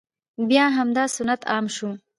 بیا همدا سنت عام شو،